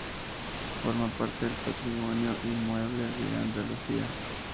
Forma parte del Patrimonio Inmueble de Andalucía.